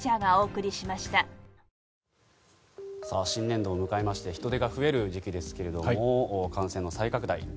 新年度を迎えまして人出が増える時期ですが感染の再拡大